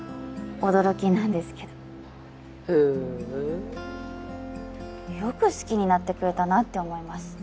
驚きなんですけどへえよく好きになってくれたなと思います